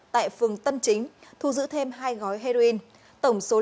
tại phường tân chính thu giữ thêm hai gói heroin